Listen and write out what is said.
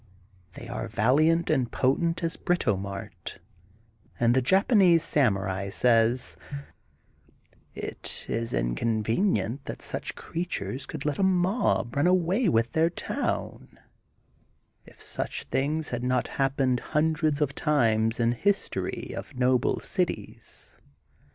They are valiant and potent as Britomart, and the Jap anese Samurai says ^^it is inconceivable that such creatures could let a mob run away with their town, if such things had not happened 208 THE GOLDEN BOOK OF SPRINGFIELD hundreds of times in the history of noble cities.